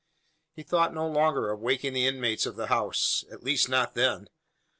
He thought no longer of awaking the inmates of the house at least not then.